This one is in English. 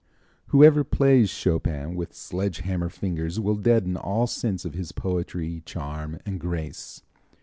Whoever plays Chopin with sledge hammer fingers will deaden all sense of his poetry, charm and grace.